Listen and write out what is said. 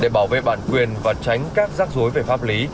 để bảo vệ bản quyền và tránh các rắc rối về pháp lý